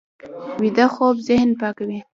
ویده خوب ذهن پاکوي